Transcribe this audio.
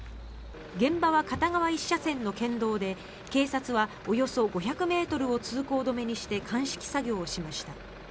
現場は片側１車線の県道で警察はおよそ５００ｍを通行止めにして鑑識作業をしました。